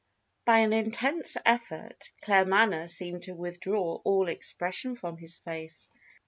By an intense effort Claremanagh seemed to withdraw all expression from his face.